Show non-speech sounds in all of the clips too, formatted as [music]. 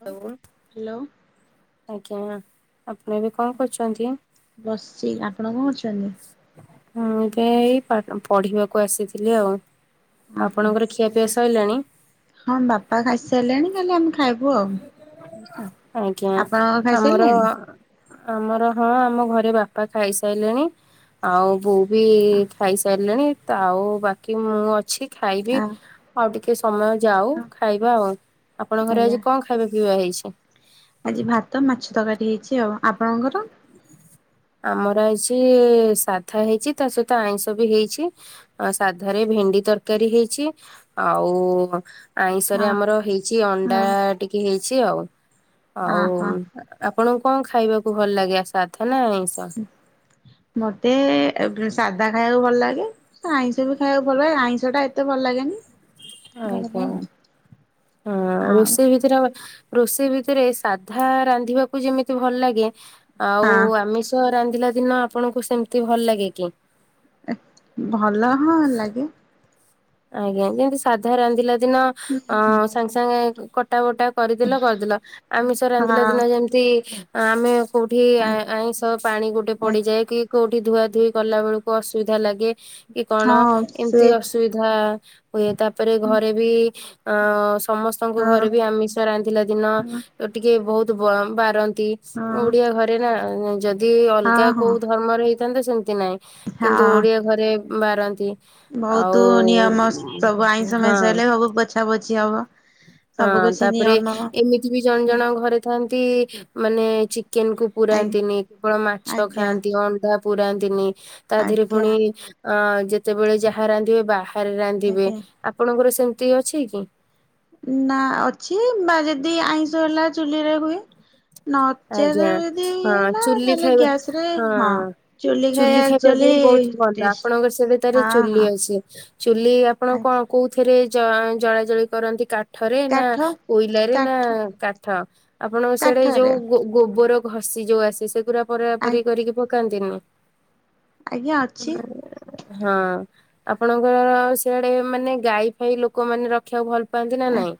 ହ ହ୍ୟାଲୋ। ଆଜ୍ଞା ଆପଣ ଏବେ କଣ କରୁଚନ୍ତି? ବସିଛି ଆପଣ କଣ କରୁଛନ୍ତି? ମୁଁ ଏବେ ଏଇ ପଢିବାକୁ ଆସିଥିଲି ଆଉ। ଓହୋ ଆପଣଙ୍କର ଖି ଖିଆପିଆ ସଇଲାଣି? ହଁ ବାପା ଖାଇସି ସାଇଲେଣି ଖାଲି ଆମେ ଖାଇବୁ ଆଉ। ଆଜ୍ଞା ଆପଣ ଆମର ଖାଇସାରିଲେଣି? ଆମର ହଁ ଆମ ଘରେ ବାପା ଖାଇସାଇଲେଣି ଆଉ ବୋଉ ବି ଖାଇସାରିଲିଣି ଆଉ ବାକି ମୁଁ ଅଛି। ଖାଇବି ଆଉ ଟିକେ ସମୟ ଯାଉ ଖାଇବା ଆଉ ଆପଣଙ୍କ ଘରେ ଆଜ୍ଞା ଆଜି କଣ ଖାଇବେ ପିଇବା ହେଇଚି? ଆଜି ଭାତ ମାଛ ତରକାରୀ ହେଇଚି ଆଉ ଆପଣଙ୍କର ଆମର ଅଛି ସାଧା ହେଇଚି ତା ସହିତ ଆଇଁଷ ବି ହେଇଚି। ସାଧରେ ଭେଣ୍ଡି ତରକାରୀ ହେଇଚି ଆଉ ଆଇଁଷରେ ହଁ ଆମର ହେଇଚି ଅଣ୍ଡା ହଁ ଟିକେ ହେଇଚି ଆଉ। ଅ ଆଉ ହଁ ଆପଣଙ୍କୁ କଣ ଖାଇବାକୁ ଭଲ ଲାଗେ ସାଧ ନା ଏଇଷ? ମତେ ଏ ସାଧା ଖାଇବାକୁ ଭଲ ଲାଗେ। ଆଇଁଷ ବି ଖାଇବାକୁ ଭଲ ଲାଗେ ଆଇଁଷ ଟା ଏତେ ଭଲ ଲାଗେନି। ଆଉ କଣ ହଁ ଆଉ ରୋଷେଇ ଭିତରେ ରୋଷେଇ ଭିତରେ ସାଧା ରାନ୍ଧିବାକୁ ଯେମିତି ଭଲ ଲାଗେ ଆଉ ହଁ ଆମିଷ ରାନ୍ଧିଲା ଦିନ ଆପଣଙ୍କୁ ସେମିତି ଭଲ ଲାଗେ କି? ଭଲ ହଁ ଲାଗେ। ଆଜ୍ଞା ଯେମିତି ସାଧା ରାନ୍ଧିଲା ଦିନ ଅ ହୁଁ ସାଙ୍ଗେ ସାଙ୍ଗେ କ ଟା ବଟା କରିଦେଲ କରିଦେଲ। ଆମିଷ ରାନ୍ଧିଲା ହଁ ଦିନ ଯେମିତି ଆମେ କୋଉଠି ଆଇଁଷ ପାଣି ଗୋଟେ ପଡିଯାଏ କି କୋଉଠି ଧୁଆ ଧୁଇ କଲା ବେଳକୁ ଅସୁବିଧା ଲାଗେ। କି କଣ ହଁ ସେ ଏମିତି ଅସୁବିଧା ଧା ହୁଏ। ତାପରେ ଘରେ ବି ଅ ସମସ୍ତଙ୍କୁ ହଁ ଘରେ ବି ଆମିଷ ରାନ୍ଧିଲା ଦିନ ଟିକେ ବହୁତ ବ ବାରନ୍ତି ହଁ ଓଡିଆ ଘରେ ନା ଯଦି ଯଦି ଅଲଗା ହଁ ହଁ କୋଉ ଧର୍ମର ହେଇଥାନ୍ତା ସେମିତି ନାହିଁ କିନ୍ତୁ ହଁ ଓଡିଆ ଘରେ ବାରନ୍ତି। ବହୁତ ଆଉ ନିୟମ ସବୁ ଆଇଁଷ ହଁ ମାଇଁଷ ହଁ ହେଲେ ସବୁ ପୋଛା ପୋଛି ହବ। ହଁ ସବୁ କିଛି ତାପରେ ନିୟମ ଆ ଏମିତି ବି ଜଣ ଜଣଙ୍କ ଘରେ ଥାନ୍ତି ମାନେ ଚିକେନ କୁ ପୁରାନ୍ତିନି କେବଳ ମାଛ ଆଜ୍ଞା ଖାଆନ୍ତି ଅଣ୍ଡା ପୁରାନ୍ତିନି ତା ଦେହରେ ଆଜ୍ଞା। ପୁଣି ଅ ଯେତେବେଳେ ଯାହା ରାନ୍ଧିବେ ବାହାରେ ରାନ୍ଧିବେ ଆଜ୍ଞା ଆପଣଙ୍କର ସେମତି ଅଛି କି? ନା ଅଛି ବା ଯଦି ଆଇଁଷ ହେଲା ଚୁଲିରେ ହୁଏ। ନଚେତ ଆଜ୍ଞା ଯଦି ଇ ହଁ ହେଲା ଚୁଲି ତାହେଲେ ଖାଇବା ଗ୍ୟାସ ରେ ହଁ ଚୁଲି ଟ ଖାଇବା ଆକ୍ଚୁଆଲି ହ ବହୁତ ଭଲ ଟେଷ୍ଟ ଆପଣଙ୍କର ସେବେ ତାର ହଁ ଚୁଲି ହଁ ଅଛି ଚୁଲି ଆପଣ ଆ କଣ? କୋଉଥିରେ ଜ ଜଳା ଜଳି କରନ୍ତି କାଠ କାଠରେ ନା କାଠ କୋଇଲରେ ନା କାଠ କାଠ ଆପଣ ସିଆଡେ କାଠରେ ଯୋଉ ଗୋବର ଘଷି ଯୋଉ ଆସ ସେ ପୁରା ପରାପରି କରିକି ପକାନ୍ତିନି। ଆଜ୍ଞା ଅଛି ହୁଁ। ହଁ। ଆପଣଙ୍କର ସେଆଡେ ମାନେ ଗାଈ ଫାଇ ଲୋକ ମାନେ ରଖିବାକୁ ଭଲ ପାଆନ୍ତି ନା ନାଇ?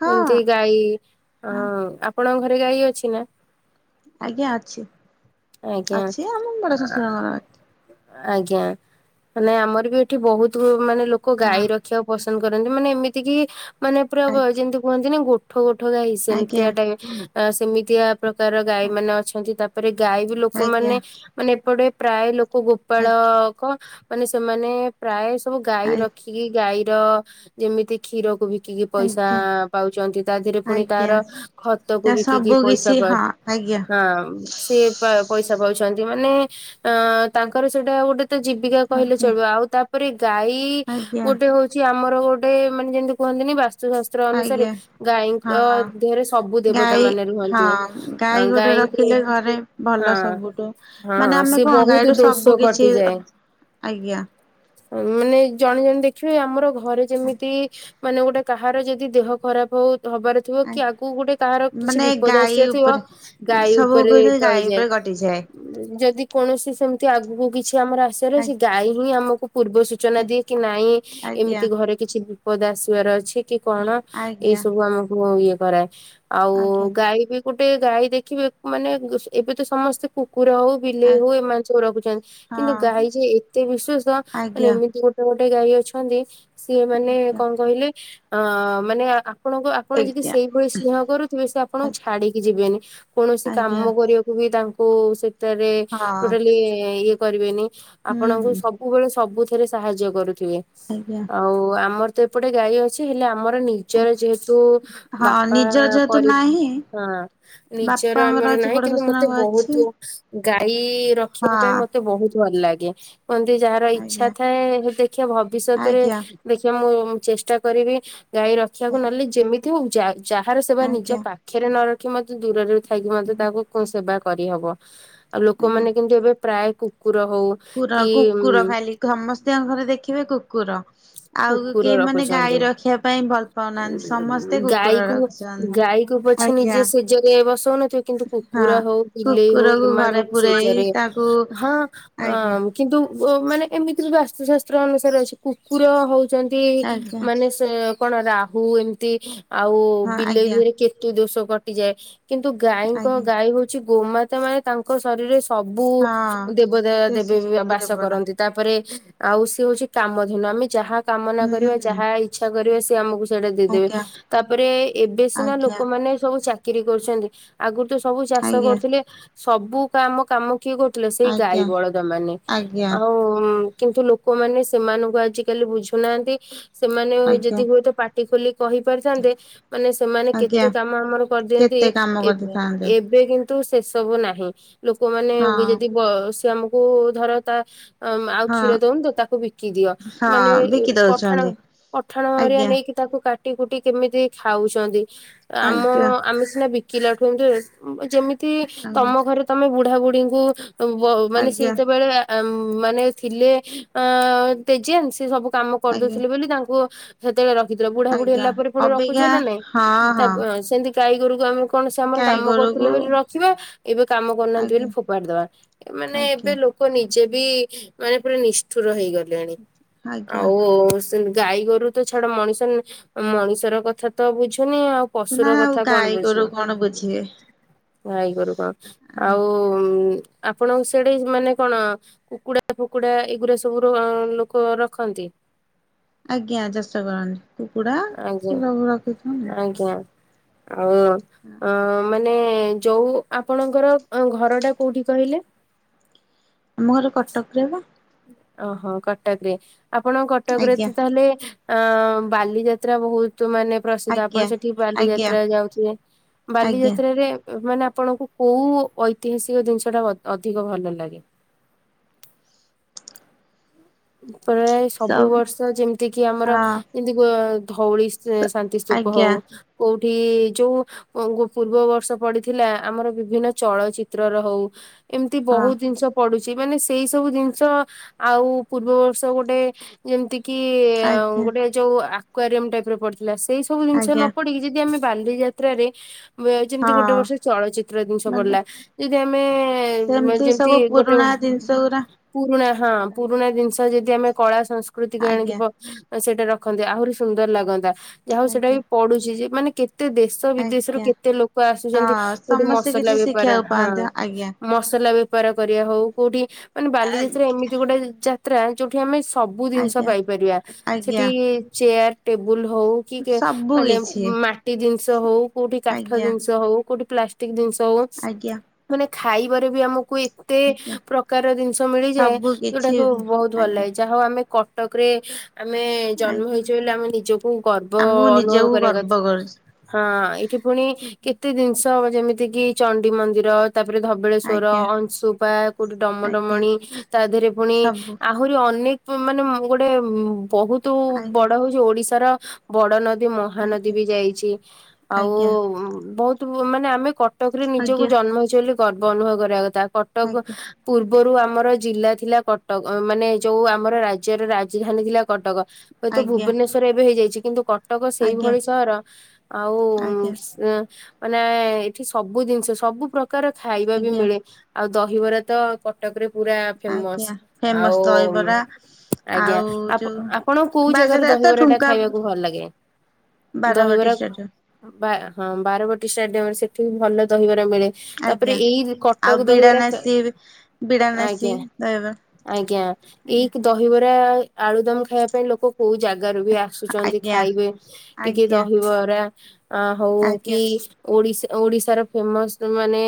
ହଁ ଏମିତି ହଁ ଗାଈ [inaudible] ଅ- ଅ ଆପଣଙ୍କ ଘରେ ଗାଈ ଅଛି ନା? ଆଜ୍ଞା! ଅଛି। [inaudible] ଆଜ୍ଞା। ଅଛି ଆମ ବଡ଼ ଶଶୁରଙ୍କ ଘରେ। ଆଜ୍ଞା! [inaudible] ମାନେ ଆମର ବି ଏଠି ବହୁତ ମାନେ ଲୋକ ଗାଈ ହଁ ରଖି ରଖିବାକୁ ପସନ୍ଦ କରନ୍ତି। ମାନେ ଏମିତି କିି ମାନେ ପୁରା ଆଜ୍ଞା ଯେମିତି କୁହନ୍ତି ନା ଗୋ ଠ ଗୋଠ ଗାଈ ଆଜ୍ଞା ସେମତିଆ ଟାଇ ଆ ସେମିତିଆ ପ୍ରକାର ଗାଈ ମାନେ ଅଛନ୍ତି। ତାପରେ ଗାଈ ବି ଆଜ୍ଞା ଲୋକମାନେ ମାନେ ଏପଟେ ପ୍ରାୟ ଲୋକ ଆଜ୍ଞା ଗୋପାଳକ। ମାନେ ସେମାନେ ପ୍ରାୟ ସବୁ ଗାଈ ଆଜ୍ଞା ରଖିକି ଗାଈର ଯେମିତି କ୍ଷୀରକୁ ବିକିକି ପଇସା ଆଜ୍ଞା ଆ ପାଉଛନ୍ତି ତା ଦିହରେ ପୁଣି ଆଜ୍ଞା ତାର ତା ଖତକୁ ବିକିକି ସବୁ ପଇସା କିଛି ପା ହଁ ଆଜ୍ଞା [inaudible] ଆମ୍ ସେ ପଇସା ପାଉଛନ୍ତି। ମାନେ ଅ ତାଙ୍କର ସେଇଟା ଗୋଟେ ତ ଜୀବିକା କହିଲେ ଆଜ୍ଞା ଚଳୁ ଆଉ ତା ତାପରେ ଗାଈ ଆଜ୍ଞା ଗୋଟେ ହଉଛି ଆମର ଗୋଟେ ମାନେ ଯେମିତି କୁହନ୍ତିନି ବାସ୍ତୁଶାସ୍ତ୍ର ସ୍ତ୍ର ଅନୁସାରେ ଆଜ୍ଞା [inaudible] ଗାଈଙ୍କ ହଁ ଦେହରେ ସବୁ ଦେବତା ଗାଈ ମାନେ ରୁହନ୍ତି। ଇଏ ହଁ [inaudible] ଆଁ ଗାଈ ଗୋଟେ ଗାଈଙ୍କୁ ରଖିଲେ ଘରେ [inaudible] ହଁ। ଭଲ ସବୁଠୁ [inaudible] ମାନେ ହଁ। ଆମେ ସେ କଣ ବହୁତ ଗାଈଠୁ ସବୁ ଦୋଷ କିଛି କରି କିଯାଏ, ଆଜ୍ଞା!। ମାନେ ଜଣେ ଜଣେ ଦେଖିବେ ଆମର ଘରେ ଯେମିତି ମାନେ ଗୋଟେ କାହାର ଯଦି ଦେହ ଖରାପ ହଉ ହବାର ଥିବ କି ଆଗକୁ ଗୋଟେ କାହାର କିଛି ମାନେ ବିପ ବିପଦ ଗାଈ ଆସିବାର ଥିବ। ଉପରେ [inaudible] ଗାଈ ସବୁ ଉପରେ କିଛି ଟଳି ଗାଈ ଯାଏ। ଉପରେ କଟିଯାଏ ଯଦି କୌଣସି ସେମତି ଆଗକୁ କିଛି ଆମର ଆସିଆର ଅଛି ଆଜ୍ଞା ଗାଈ ହିଁ ଆମକୁ ପୂର୍ବ ସୂ ସୂଚନା ଦିଏ କି ନାଇଁ ଆଜ୍ଞା ଏମିତି ଘରେ କିଛି ବିପଦ ଆସିବାର ଅଛି କି କଣ? ଏଇ ଆଜ୍ଞା ସବୁ ଆମକୁ ଇଏ କରାଏ। ଆଉ ଆଜ୍ଞା ଗାଈ ବି ଗୋଟେ ଗାଈ ଦେଖିବେ ମାନେ ଏବେ ତ ସମସ୍ତେ କୁକୁର ହଉ ବିଲେଇ ଆଜ୍ଞା ହଉ ଏମାନେ ସବୁ ରଖୁଛନ୍ତି। [inaudible] କିନ୍ତୁ ହଁ ଗାଈ ଯେ ଏତେ ବିଶ୍ୱସ୍ତ [inaudible] ମାନେ ଆଜ୍ଞା ଏମିତି ଗୋଟେ ଗାଈ ଅଛନ୍ତି। [inaudible] ସିଏ ମାନେ ଆଜ୍ଞା କଣ କହିଲେ ଅ ମାନେ ଆ ଆପଣଙ୍କୁ ଆପଣ ଯଦି ଆଜ୍ଞା ସେଇଭଳି ସ୍ନେହ କରୁଥିବେ ସେ ଆଜ୍ଞା ଆପଣଙ୍କୁ ଛାଡିକି ଯିବେନି [inaudible] କୌଣସି ଆଜ୍ଞା କାମକୁ କରିବାକୁ ବି ତାଙ୍କୁ ସେଥିରେ ହଁ ଟୋଟାଲି ଇ - ଇ ଇଏ କରିବେନି ହୁଁ ଆପଣ ଙ୍କୁ ହୁଁ ସବୁ ମୋର ସବୁଥିରେ ସାହାଯ୍ୟ କରୁଥିବେ। ଆଜ୍ଞା!। ଆଉ ଆମର ତ ଏପଟେ ଗାଈ ଅଛି ହେଲେ ଆମର ନି ନିଜର ଯେହେତୁ ହଁ ବାପା ନିଜର ଯେହେତୁ ପରି ନାହିଁ ହଁ। ନିଜର ବାପାଙ୍କର ଆମର ଅଛି ନାହିଁ ବଡ କିନ୍ତୁ ମତେ ଶଶୁରଙ୍କ ବହୁତ ଅଛି ଗାଈ ହଁ ରଖିବା ପାଇଁ ମତେ ବହୁତ ଭଲ ଲାଗେ। କୁହନ୍ତି ଯାହାର ଇଛା ଆଜ୍ଞା ଥାଏ ଦେଖିବା ଭବିଷ୍ୟତରେ ଆଜ୍ଞା ଦେଖିବା ମୁଁ ଚେଷ୍ଟା କରିବି ଗାଈ ରଖିବାକୁ ନହେଲେ ଯେମିତି ହେଉ ଯାଗା ଯାହାର ସେବା ନିଜ ଆଜ୍ଞା ପା ଖ ରେ ନ ରଖି ମଧ୍ୟ ଦୂରରେ ଥାଇକି ମଧ୍ୟ ତାକୁ କ ସେବା କରିହବ [inaudible] ଆଜ୍ଞା ଲୋକମାନେ କିନ୍ତୁ ଏବେ ପ୍ରାୟ କୁକୁର ହଉ କୁର କି କୁକୁର ଖାଲି ସମସ୍ତଙ୍କ ଘରେ ଦେଖିବେ କୁକୁର। ଆଉ କୁକୁର କେହି ମାନେ ରଖୁଛନ୍ତି। ଗାଈ ରଖିବା ପାଇଁ ଭଲ ପାଉନାହାନ୍ତି ସମସ୍ତେ କୁକୁର ରଖ୍ ଗାଈକୁୁ ପଛେ ନିଜେ ଶେଯରେ ବସଉନଥିବେ କିନ୍ତୁ ହଁ କୁକୁର ହଉ ବିଲେଇ ହଉ କୁକୁରକୁ ଘରେ ଏମାନଙ୍କୁ ପୁରେଇ ଶେଯରେ ତାକୁ [inaudible] ହଁ। ଆଜ୍ଞା ଓଁ କିନ୍ତୁ ଉ ମାନେ ଏମିତି ବାସ୍ତୁଶାସ୍ତ୍ର ଅନୁସାରେ ଅଛି କୁକୁର ହଉଛନ୍ତି ଆଜ୍ଞା [inaudible] ମାନେ ସେ କଣ ରାହୁ ଏମିତି ଆଉ ହଁ ବିଲେଇ ଆଜ୍ଞା ଧରେ କେତୁ ଦୋଷ କଟିଯାଏ। କିନ୍ତୁ ଗାଈଙ୍କ ଆଜ୍ଞା ଗାଈ ହଉଛି ଗୋମାତା ମାନେ ତାଙ୍କ ଶରୀରରେ ସବୁ ହଁ। [inaudible] ଦେବତା ଦେଶୀ ଦେବୀ ଚିଙ୍ଗୁଡ଼ି ବାସ ରେବଟା କରନ୍ତି। ତାପରେ ଆଉ ସେ ହଉଛି କାମ ହିମାମି ଯାହା କାମନା ହୁଁ କରିବ ହୁଁ ଯାହା ଇଚ୍ଛା କରିବେ ସେ ଆମକୁ ସେଟା ଦେଇଦେବେ ଆଜ୍ଞା ତାପରେ ଏବେ ସିନା ଆଜ୍ଞା ଲୋକମାନେ ସବୁ ଚାକିରି କରୁଚନ୍ତି। ଆଗୁରୁ ତ ସବୁ ଚାଷ ଆଜ୍ଞା। କରୁଥିଲେ ସବୁ କାମ କାମ କିଏ କଉଥିଲେ ସେଇ ଗାଈ ଆଜ୍ଞା ବଳଦ ମାନେ ଆଜ୍ଞା ଆଉ କିନ୍ତୁ ଲୋକମାନେ ସେମାନ ଙ୍କୁ ଆଜି କାଲି ବୁଝୁନାହାନ୍ତି ସେମାନେ ଅ ଆଜ୍ଞା ଯଦି ହୁଏତ ପାଟି ଖୋଲି କହିପାରିଥାନ୍ତେ ମାନେ ସେମାନେ ଆଜ୍ଞା କେତେ କାମ ଆମର କରିଦିଅନ୍ତି କେତେ କାମ ଏବେ କରିଦେଇଥାନ୍ତେ। ଏବେ କି ନ୍ତୁ ସେସବୁ ନାହିଁ ଲୋକମାନେ ହଁ ବି ଯଦି ବ ସେ ଆମକୁ ଧର ତା ଆଉ ଆଉ କ୍ଷୀର ହଁ ଦଉନି ତ ତାକୁ ବିକି ଦିଅ ହଁ ମାନେ ଏଇ ବିକି ପଠାଣ ଦଉଛନ୍ତି ପଠାଣ ହେରିଆ ଆଜ୍ଞା ନେଇକି ତାକୁ କାଟି କୁଟି କେମିତି ଖାଉଛନ୍ତି ଆମ ଆଜ୍ଞା। ଆମେ ସିନା ବି ବିକିଲାଙ୍କୁ ଯେ ଯେମିତି ତମ ଆଜ୍ଞା ଘରେ ତମେ ବୁଢା ବୁଢୀଙ୍କୁ ବହୁ ମାନେ ସେ ଆଜ୍ଞା ଯେତେବେଳେ ଆ ଆ ମାନେ ଥିଲେ ଆଁ ତେଜିଆନ୍ ସେ ସବୁ କାମ ଆଜ୍ଞା କରିଦଉଥିଲେ ବୋଲି ତାଙ୍କୁ ସେତେବେଳେ ରଖିଥିଲ ବୁଢା ବୁଢ଼ୀ ଆଜ୍ଞା ହେଲା ପରେ ପୁଣି ରଖୁଚ ଅବିକା ନା ନାଇଁ ହଁ ତା ହଁ ସେମିତି ଗାଈଗୋରୁକୁ ଆମେ କଣ ସେ ଆମର ଗାଈ କାମ କରୁଥିଲେ ଗୋରୁକୁ ବୋଲି ରଖିବା ଏବେ କାମ କରୁନାହାନ୍ତି ବୋଲି ଆଜ୍ଞା ଫୋପାଡି ଦବା। ମାନେ ଆଜ୍ଞା ଏବେ ଲୋକ ନିଜେ ବି ମାନେ ପୁରା ନିଷ୍ଠୁର ହେଇଗଲେଣି। [unintelligible] ଆଉ ସେ ଗାଈ ଗୋରୁ ତ ଛାଡ ମଣିଷ ମଣିଷର କଥା ତ ବୁଝୁନି ଆଉ। ନା ପଶୁର ଆଉ କଥା କଣ ଗାଈ ବୁଝିବ ଗୋରୁ କଣ ବୁଝିବେ। ଗାଇ ଗୋରୁ କଣ ଆଉ ଆଉ ଆପଣ ସେଠି ମାନେ କଣ କୁକୁଡା ଫୁକୁଡା ଏଗୁଡା ସବୁ ର କଣ ରଖନ୍ତି? ଆଜ୍ଞା ଦେଶ ପାଳନି କୁକୁଡା ଆଜ୍ଞା। ସେ ସବୁ ରଖିଛୁଁ। ଆଜ୍ଞା। ଆଉ ଅ ମାନେ ଯୋଉ ଆପଣଙ୍କର ଘର ଟା କୋଉଠି କହିଲେ? ଆମ ଘର କଟକରେ ବା। ଓହୋ କଟକ ରେ ଆପଣ କଟକ ରେ ଆଜ୍ଞା ତ ତାହେଲେ ଅଁ ବାଲିଯାତ୍ରା ବହୁତ୍ ମାନେ ପ୍ରସିଦ୍ଧ ଆଜ୍ଞା ଆପଣ ସେଠି ଆଜ୍ଞା ବାଲିଯାତ୍ରା ଯାଉଥିବେ ଆଜ୍ଞା। ବାଲିଯାତ୍ରାରେ ମାନେ ଆପଣଙ୍କୁ କୋଉ ଐ ଐତିହାସିକ ଜିନିଷ ଟା ଅ ଅଧିକ ଭଲ ଲାଗେ? ପ୍ରାୟ ସବୁ ବର୍ଷ ଯେମିତିକିି ଆମର ହଁ ଯେମିତିକି ଧଉଳି ସେ ଶାନ୍ତି ସ୍ଥୃପ ଆଜ୍ଞା ହଉ କୋଉଠି ଯୋଉ ମାଙ୍କ ପୂର୍ବ ବର୍ଷ ପଡିଥିଲା ଆ ଆମର ବିଭିନ୍ନ ଚଳଚିତ୍ରର ହଉ ଏମିତି ହଁ ବହୁତ୍ ଜିନିଷ ପଡୁଚି ମାନେ ସେଇ ସବୁ ଜିନିଷ ଆଉ ପୂର୍ବ ବର୍ଷ ଗୋଟେ ଯେମିତି କିି ଆଜ୍ଞା ଗୋଟେ ଯୋଉ ଆକ୍ୱାରିମ୍ ଟାଇପ୍ ର ପଡିଥିଲା ସେଇ ସବୁ ଜିନିଷ ଆଜ୍ଞା ନ ପଡିକି ଯଦି ଆମେ ବାଲି ଯାତ୍ରାରେ ଏ ଯେମିତି ଗୋଟେ ହଁ ବର୍ଷ ଚଳଚିତ୍ର ଜିନିଷ ମାନେ ପଡିଲା ଯଦି ଆମେ ଏଇଁ ଏଇ ସେମିତି ସବୁ ଯେମିତିକି ଗୋଟେ ପୁରୁଣା ଜିନିଷ ଗୁରା ପୁରୁଣା ହଁ ପୁରୁଣା ଜିନିଷ ଯଦି ଆମେ କଳା ସଂସ୍କୃତି କି ଆଣିକି ଆଜ୍ଞା ପ ସେଇଟା ରଖନ୍ତି ଆହୁରି ସୁନ୍ଦର ଲାଗନ୍ତା ଯାହା ହଉ ସେଇଟା ଆଜ୍ଞା ବି ପଡୁଚି ଯେ ମାନେ କେତେ ଦେଶ ଦେଶ ବିଦେଶରୁ ଆଜ୍ଞା କେତେ ଲୋକ ଆସୁଚନ୍ତି ହଁ କୋଉଠି ସମସ୍ତେ ମସଲା କିଛି ବେପାର ଶିଖିବାକୁ ହଁ। ପାଆନ୍ତି ଆଜ୍ଞା। ମସଲା ବେପାର କରିବା ହଉ କୋଉଠି ମାନେ ବାଲିଯାତ୍ରା ଏମିତି ଗୋଟେ ଯାତ୍ରା ଯୋଉଠି ଆମେ ସବୁ ଜିନିଷ ଆଜ୍ଞା ପାଇପାରିବା ଆଜ୍ଞା ସେଠି ଚେୟାର୍ ଟେବୁଲ ହୋଉ କି କି ସବୁ ମାନେ କିଛି। ମାଟି ଜିନିଷ ହୋଉ କୋଉଠି କାଠ ଆଜ୍ଞା ଜିନିଷ ହୋଉ କୋଉଠି ପ୍ଲାଷ୍ଟିକ୍ ଜିନିଷ ହୋଉ ଆଜ୍ଞା ମାନେ ଖାଇବାରେ ବି ଆମକୁ ଏ ଏତେ ଆଜ୍ଞା। ପ୍ରକାର ଜିନିଷ ମିଳିଯାଏ ସବୁ କିଛି ଯୋଉଟାକୁ ବହୁତ୍ ଭଲ ଆଜ୍ଞା ହେଇଚା। ଆଉ ଆମେ କଟକରେ ଆମେ ଆ ଜନ୍ମ ହେଇଛେ ବୋଲି ଆମେ ନିଜକୁ କୋ ଗର୍ବ ଆମକୁ ଅନୁଭବ ନିଜକୁ କରିବା ଗର୍ବ କଥା। କରୁଛି। ହଁ ଏଠି ଫୁଣି କେତେ ଜିନିଷ ହବ ଯେମିତି କିି ଚଣ୍ଡି ମନ୍ଦିର ତାପରେ ଧ ବଲେସ୍ୱର, ଆଜ୍ଞା ଅଂଶୁପା କୋଉଠି ଆଜ୍ଞା ଡମଡମଣି ତା ଦେହରେ ଫୁଣି ସବୁ ଆହୁରି ଅନେକ ମାନେ ମୁଁ ଗୋଟେ ବହୁତ ଆଜ୍ଞା ବଡ ଓଡ଼ିଶାର ବଡ ନଦୀ ମହାନଦୀ ଆଜ୍ଞା। ବି ଯାଇଛି ଆଉ ଆଜ୍ଞା ବହୁତ ମାନେ ଆମେ କଟକ ରେ ନିଜକୁ ଆଜ୍ଞା ଜନ୍ମ ହେଇଛେ ବୋଲି ଗର୍ବ ଅନୁଭବ କରିବା କଥା କଟକ ଆଜ୍ଞା ପୂର୍ବରୁ ଆମର ଜିଲ୍ଲା ଥିଲା କଟକ ମାନେ ଯୋଉ ଆମର ରାଜ୍ୟର ରାଜଧାନୀ ଥିଲା କଟକ। ହୁଏତ ଆଜ୍ଞା ଭୁବନେଶ୍ଵର ଏବେ ହେଇଯାଇଛି କିନ୍ତୁ କ କଟକ ଆଜ୍ଞା ସେଇଭଳି ସହର ଆଉ ଆଜ୍ଞା। ଉନ୍ ମାନେ ଏଠି ସବୁ ଜିନିଷ ସବୁ ପ୍ରକାର ଖାଇବା ବି ଆଜ୍ଞା ମିଳେ ଆଉ ଦହିବରା ତ କଟକ ରେ ପୁରା ଫେମସ। ଆଉ ଫେମସ ଦହିବରା ଆଜ୍ଞା ଆଉ ଆପ ଆପଣଙ୍କୁ କୋଉ ଯୋଉ ଜାଗାରେ ବାଜରେ ତ ଦହିବରା ଟା ଠୁଙ୍କା ଖାଇବାକୁ ଭଲ ଲାଗେ? ବାରବାଟି ଦହିବରା ଷ୍ଟାଡିୟମ୍। ବା ହଁ ବାରବାଟୀ ଷ୍ଟାଡିୟମରେ ସେଠି ବି ଭଲ ଦହିବରା ମିଳେ। ତାପରେ ଆଜ୍ଞା ଏଇ ଆଉ କଟକ ଦହିବରା କ ବିଡାନାସି ବିଡାନାସି ଆଜ୍ଞା ଦହି ଆଜ୍ଞା, ଏଇ ଦହିବରା ଆଳୁଦମ୍ ଖାଇବା ପାଇଁ ଲୋକ କୋଉ ଜାଗାରୁ ବି ଆସୁଛନ୍ତି ଆଜ୍ଞା ଖାଇବେ ଟିକେ ଆଜ୍ଞା ଦହିବରା ଆ ହଉ କି ଆଜ୍ଞା ଓଡ଼ି ଓଡ଼ିଶାର ଫେମସ ମାନେ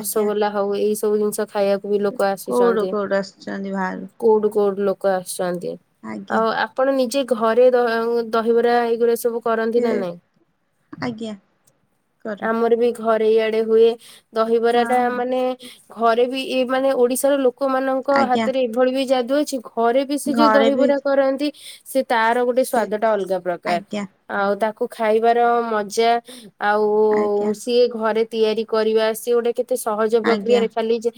ଆଜ୍ଞା ହଉ ଏଇ ସବୁ ଜିନିଷ ଖାଇବାକୁ ବି ଲୋକ କୋଉଠୁ ଆସିଛନ୍ତି କୋଉଠୁ ଆସୁଛନ୍ତି ବାହାରୁ। କୋଉଠୁ କୋଉଠୁ ଲୋକ ଆସିଛନ୍ତି ଆଜ୍ଞା ଆଉ ଆ ଆପଣ ନିଜେ ଘରେ ଆଉ ଦହିବରା ଏଇଗୁରା ସବୁ କରନ୍ତି ସେ ନା ନାଇଁ? ଆଜ୍ଞା କର ଆମର ବି ଘରେ ଇଆଡେ ହୁଏ ଦହିବରା ହଁ ଟା ହଁ ମାନେ ଘରେ ବି ଇଏ ମାନେ ଓଡ଼ିଶାର ଲୋକମାନ ଙ୍କ ଆଜ୍ଞା ହାତରେ ଏଇଭଳି ବି ଯାଦୁ ଅଛି ଘରେ ବି ସେ ଯୋଉ ଘରେ ବି ଦହିବରା କରନ୍ତି ସେ ତାର ଗୋଟେ ସେ ସ୍ୱାଦ ଟା ଅଲଗା ପ୍ରକାର ଆଜ୍ଞା ଆଉ ତାକୁ ଖାଇବାର ମଜା ଆଉ ଆଜ୍ଞା ସିଏ ଘରେ ତିଆରି କରିବା ସିଏ ଗୋଟେ କେତେ ସହଜ ଆଜ୍ଞା ପ୍ରକ୍ରିୟାରେ ଖାଲି ଯେ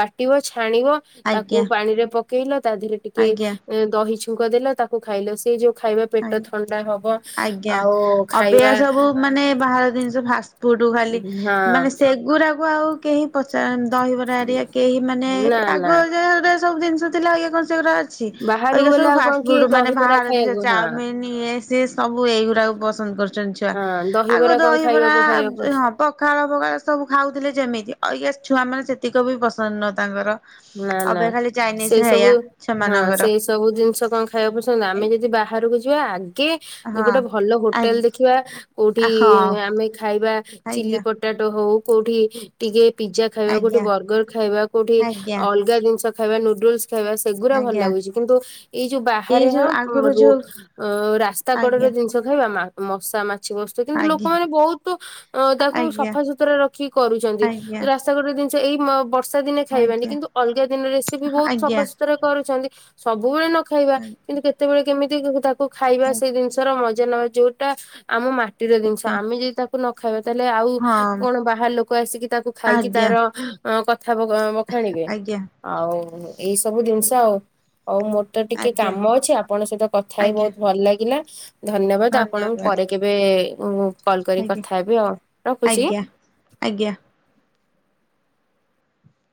ବାଟିବ, ଛାଣିବ ତାକୁ ଆଜ୍ଞା ପାଣିରେ ପ ପକେଇଲ ତା ଦେହରେ ଟିକେ ଆଜ୍ଞା ଦହି ଛୁଙ୍କ ଦେଲ ତାକୁ ଖାଇଲ ସେ ଯୋଉ ଖାଇବା ପେଟ ଆଜ୍ଞା ଥଣ୍ଡା ହବ ଆଜ୍ଞା ଆଉ ଅବିକା ଖାଇବା ସବୁ ମାନେ ବାହାର ଜିନିଷ ଫାଷ୍ଟଫୁଡ୍ ଖାଲି ହଁ ମାନେ ସେଗୁରାକୁ ଆଉ କେହି ପଚାର ଦହିବରା ଆରିଆ କେହି ମାନେ ନା ନା ଆଗ ଯାହା ସବୁ ଜିନିଷ ଥିଲା ଏବେ କଣ ସେଗୁଡ଼ା ଅଛି ଆଜି ବାହାରକୁ କାଲି ଗଲେ ସବୁ ଆଉ କଣ କିଏ ଫାଷ୍ଟଫୁଡ୍ ମାନେ ଦହିବରା ବାହାର ଜିନିଷ ଖାଇବାକୁ ହଁ ଚାଉମିିନ୍ ଇଏ ସିଏ ସବୁ ଏଇଗୁଡାକୁ ପସନ୍ଦ କରୁଛନ୍ତି ଛୁଆ। ହଁ ଆଗରୁ ଦହିବରା କଣ ଦହିବରା, ଖାଇବାକୁ ଖାଇବାକୁ ହଁ ପଖାଳ ପଖାଳ ସବୁ ଖାଉଥିଲେ ଯେମିତି ଆଜି କାଲି ଛୁଆ ମାନେ ସେତିକି ବି ପସନ୍ଦ ନୁହଁ ତାଙ୍କର। ନା ନା ଅବିକା ଖାଲି ଚାଇନିଜ ସେ ସବୁ ଖାଇବା ହଁ ସେମାନଙ୍କର। ସେ ସବୁ ଜିନିଷ କଣ ଖାଇବାକୁ ପସନ୍ଦ ଆମେ ଯଦି ବାହାରକୁ ଯିବା ଆଗେ ହଁ ଗୋଟେ ଭଲ ହୋଟେଲ ଆ ଦେଖିବା କୋଉଠି ହଁ ଆମେ ଖାଇବା ଚିଲି ଆଜ୍ଞା। ପ ପଟାଟୋ ହଉ କୋଉଠି ଟିକେ ପିଜା ଖାଇବା, କୋଉଠି ଆଜ୍ଞା ବରର୍ଗର ଖାଇବା, କୋଉଠି ଆଜ୍ଞା ଅଲଗା ଜିନିଷ ଖାଇବା ନୁଡୁଲସୁ ଖାଇବା ସେଗୁଡା ଭଲ ଆଜ୍ଞା ଲାଗୁଛି କିନ୍ତୁ ଏଇ ଯୋଉ ବାହାରେ ଏଇ ହଁ ଯୋଉ ଆଗରୁ ମୋ ଯୋଉ ଅ ରାସ୍ତା କଡରେ ଆଜ୍ଞା ଜିନିଷ ଖାଇବା ମା ମଶା ମା ଛି ବସୁଥିବେ କିନ୍ତୁ ଆଜ୍ଞା ଲୋକମାନେ ବହୁତ ଅ ତାକୁ ଆଜ୍ଞା ସଫାସୁତୁରା ରଖି କରୁଛନ୍ତି ଆଜ୍ଞା ରା ଷେପଟେ ଜିନିଷ ଏଇ ବର୍ଷା ଦିନେ ଖାଇବାନି ଆଜ୍ଞା କିନ୍ତୁ ଅଲଗା ଦିନ ରେସିପି ବହୁତ୍ ଆଜ୍ଞା ସଫାସଫି ସୁତୁରା କରୁଛନ୍ତି। ସବୁବେଳେ ନଖାଇବା ଆଜ୍ଞା କିନ୍ତୁ କେତେବେଳେ କେମିତି ତାକୁ ଖାଇବା ସେ ଜିନିଷ ମଜା ନେବା ଯୋଉଟା ଆମ ମାଟିର ଜିନିଷ ଆଜ୍ଞା ଆମେ ଯଦି ତାକୁ ନ ଖାଇବା ତାହେଲେ ଆଉ ହଁ କଣ ବାହାର ଲୋକ ଆସିକି ତାକୁ ଖାଇକି ଆଜ୍ଞା ତାର ଅଁ କଥା ବକା ବଖାଣିବେ ଆଜ୍ଞା। ଆଉ ଏଇ ସବୁ ଜିନିଷ ଆଉ ଆଉ ମୋ ତ ଟିକେ ଆଜ୍ଞା କାମ ଅଛି ଆପଣଙ୍କ ସହିତ କଥା ହେଇ ଆଜ୍ଞା ବହୁତ୍ ଭଲ ଲାଗିଲା ଧନ୍ୟବାଦ ଆପଣଙ୍କୁ ଧନ୍ୟବାଦ ପରେ କେବେ କଲ୍ କରି ଆଜ୍ଞା କଥା ହେବି ଆଉ ରଖୁଚି? ଆଜ୍ଞା ଆଜ୍ଞା।